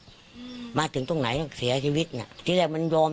อืมมาถึงตรงไหนเสียชีวิตน่ะที่แรกมันยอม